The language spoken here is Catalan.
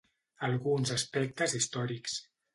Alguns aspectes històrics.